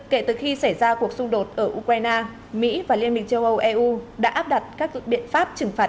kể từ khi xảy ra cuộc xung đột ở ukraine mỹ và liên minh châu âu eu đã áp đặt các biện pháp trừng phạt